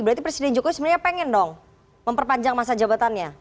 berarti presiden jokowi sebenarnya pengen dong memperpanjang masa jabatannya